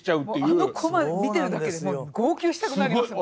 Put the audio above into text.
もうあのコマ見てるだけでもう号泣したくなります。